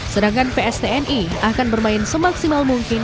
sedangkan pstni akan bermain semaksimal mungkin